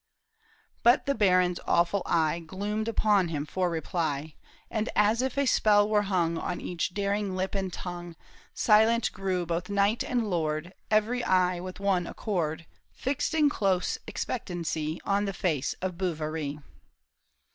But the baron's awful eye Gloomed upon him for reply ; And as if a spell were hung On each daring lip and tongue, Silent grew both knight and lord, Every eye with one accord Fixed in close expectancy On the face of Bouverie.